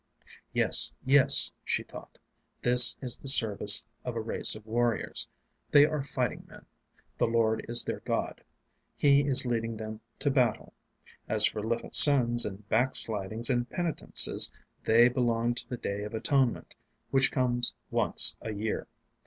Yes, yes she thought this is the service of a race of warriors; they are fighting men: the Lord is their God; He is leading them to battle: as for little sins, and backslidings, and penitences, they belong to the Day of Atonement which comes once a year.